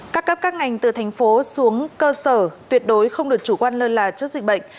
các cấp các ngành từ thành phố xuống cơ sở tuyệt đối không được chủ quan lơ là trước dịch bệnh